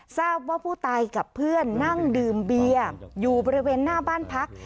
ทราบว่าผู้ตายกับเพื่อนนั่งดื่มเบียร์อยู่บริเวณหน้าบ้านพัก